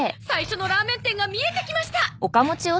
最初のラーメン店が見えてきました！